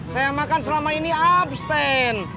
saya makan selama ini abstain